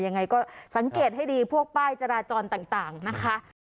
ยังไงก็สังเกตให้ดีพวกป้ายจราจรต่างนะคะ